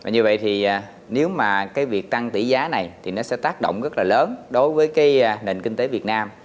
như vậy thì nếu mà cái việc tăng tỷ giá này thì nó sẽ tác động rất là lớn đối với cái nền kinh tế việt nam